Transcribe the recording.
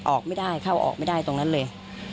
ออกไม่ได้เข้าออกไม่ได้ตรงนั้นเลย